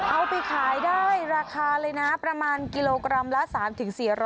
เอาไปขายได้ราคาเลยนะประมาณกิโลกรัมละ๓๔๐๐